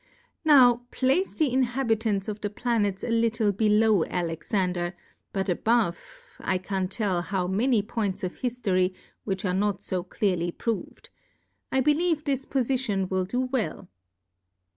Now place the Inhabitants of the Planets a little below Alexander ; but above, 1 can't tell ho^V many Points of Hiftory which are not fo clearly proved : I believe this. Pofition will do well.